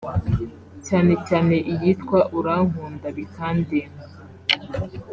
cyane cyane iyitwa "Urankunda bikandenga"